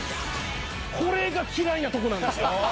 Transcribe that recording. これが嫌いなとこなんですよ。